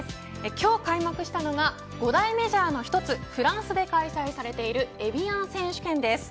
今日開幕したのが５大メジャーの一つフランスで開催されているエビアン選手権です。